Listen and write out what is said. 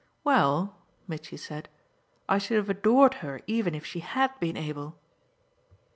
"Well," Mitchy said, "I should have adored her even if she HAD been able."